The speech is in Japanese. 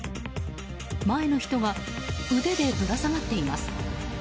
前の人が腕でぶら下がっています。